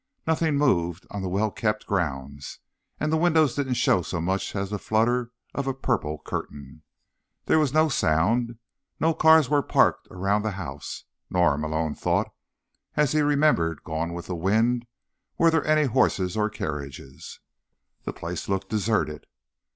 Nothing moved on the well kept grounds, and the windows didn't show so much as the flutter of a purple curtain. There was no sound. No cars were parked around the house, nor, Malone thought as he remembered Gone With the Wind, were there any horses or carriages. The place looked deserted.